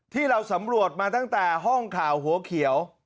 ที่เราสำรวจมาตั้งแต่ห้องข่าวหัวเขียว